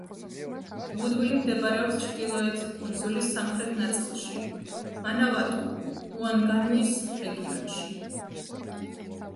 ვუდვილი მდებარეობს ჩრდილოეთ კუნძულის სამხრეთ ნაწილში, მანავატუ-უანგანუის რეგიონში.